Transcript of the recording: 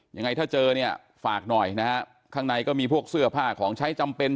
ยังไงถ้าเจอเนี่ยฝากหน่อยนะฮะข้างในก็มีพวกเสื้อผ้าของใช้จำเป็น